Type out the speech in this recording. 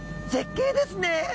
絶景ですね！